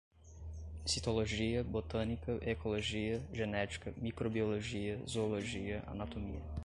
citologia, botânica, ecologia, genética, microbiologia, zoologia, anatomia